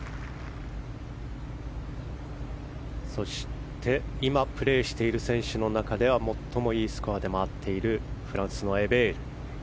そして今プレーしている選手の中では最もいいスコアで回っているフランスのエベール。